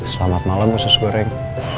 selamat malam musus goreng